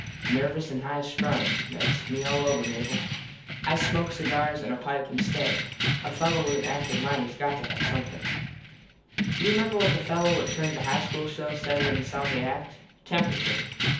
Nervous an high strung. Thats me all over, Mable. I smoke cigars an a pipe instead. A fello with an active mind has got to have somethin. You remember what the fello what trained the high school show said when he saw me act. Temperature.